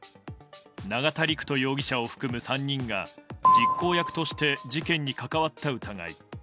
永田陸人容疑者を含む３人が実行役として事件に関わった疑い。